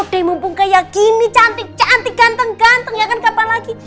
di mumpung kayak gini cantik cantik ganteng ganteng ya kan kapan lagi